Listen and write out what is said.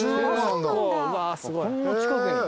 こんな近くに。